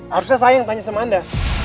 harusnya saya yang tanya sama anda